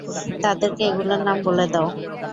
তাদেরকে এগুলোর নাম বলে দাও।